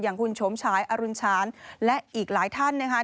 คุณโฉมฉายอรุณชาญและอีกหลายท่านนะคะ